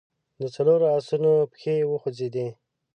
د څلورو آسونو پښې وخوځېدې.